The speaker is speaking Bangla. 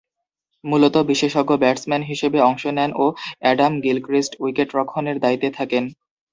মূলতঃ বিশেষজ্ঞ ব্যাটসম্যান হিসেবে অংশ নেন ও অ্যাডাম গিলক্রিস্ট উইকেট-রক্ষণের দায়িত্বে থাকেন।